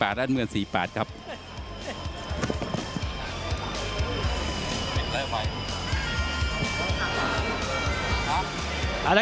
และน้ำเงิน๔๘